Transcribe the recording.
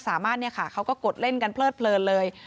สามารถเขาก็กดเล่นกันเพลิดเผลอเลย